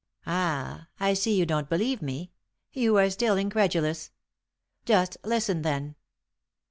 Ah, I see you don't believe me; you are still incredulous. Just listen, then.